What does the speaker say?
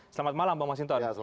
selamat malam bang masinton